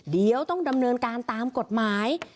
เดี๋ยวต้องดำเนินการตามกฎหมาย